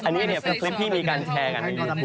อันนี้เนี่ยเป็นคลิปที่มีการแชร์กัน